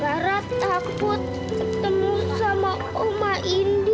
lara takut ketemu sama oma indi